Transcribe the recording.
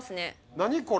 何これ？